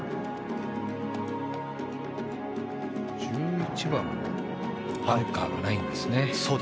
１１番もバンカーがないんですね。